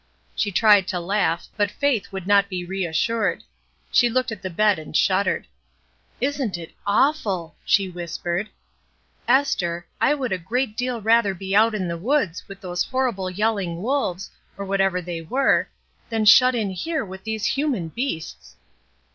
She tried to laugh, but Faith would not be reassured. She looked at the bed and shud dered. ''Isn't it awful !" she whispered. " Esther, I would a great deal rather be out m the woods with those horrible yelhng wolves, or whatever they were, than shut in here with these human beasts."